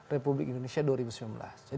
republik indonesia dua ribu sembilan belas jadi